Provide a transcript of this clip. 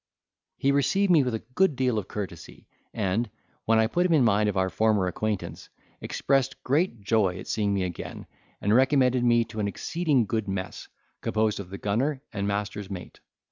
He received me with a good deal of courtesy, and, when I put him in mind of our former acquaintance, expressed great joy at seeing me again, and recommended me to an exceeding good mess, composed of the gunner and master's mate.